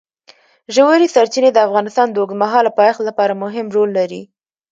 ژورې سرچینې د افغانستان د اوږدمهاله پایښت لپاره مهم رول لري.